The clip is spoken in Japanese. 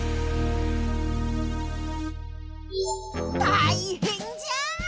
たいへんじゃ！